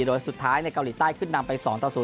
โดยสุดท้ายในเกาหลีใต้ขึ้นนำไป๒ต่อ๐